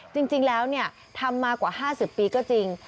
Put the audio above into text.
จริงแล้วทำมากว่า๕๐ปีก็จริง